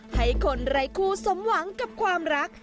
ให้คนไร้คู่สมหวังกับความรัก